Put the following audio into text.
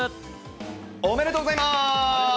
おめでとうございます。